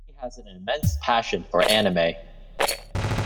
He has an immense passion for anime.